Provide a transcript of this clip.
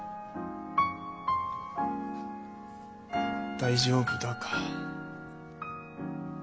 「大丈夫だ」か。